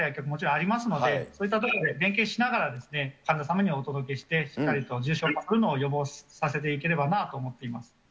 もちろんありますので、そういったところで、連携しながら、患者さんのためにお届けして、しっかり重症化を予防させていただければと思います。